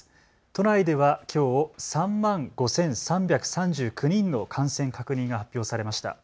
都内ではきょう３万５３３９人の感染確認が発表されました。